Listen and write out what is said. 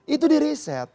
itu di riset